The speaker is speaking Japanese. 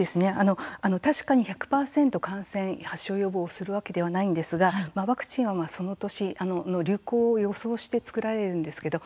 確かに１００％感染、発症予防をするわけではないんですがワクチンは、その年流行を予想して作られるんですけど